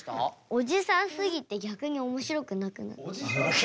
おじさんすぎて逆におもしろくなくなった。